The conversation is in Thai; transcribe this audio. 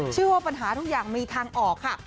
เชื่อว่าปัญหาทุกอย่างมีทางออกค่ะ